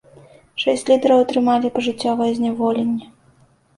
Шэсць лідараў атрымалі пажыццёвае зняволенне.